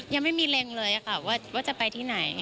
ยังไม่มีเล็งเลยค่ะว่าจะไปที่ไหน